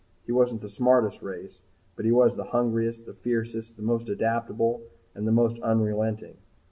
He wasn't the smartest race but he was the hungriest, the fiercest, the most adaptable, and the most unrelenting.